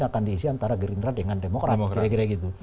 akan diisi antara gerindra dengan demokrat